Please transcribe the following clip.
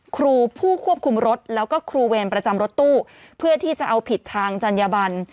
ครูผู้ควบคุมรถแล้วก็ครูเวรประจำรถตู้เพื่อที่จะเอาผิดทางจัญญบัน